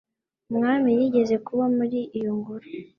Umwami yigeze kuba muri iyo ngoro